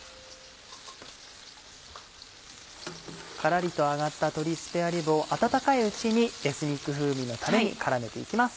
カラリと揚がった鶏スペアリブを温かいうちにエスニック風味のタレに絡めて行きます。